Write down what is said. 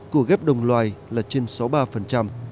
của ghép đồng loài là trên sáu mươi ba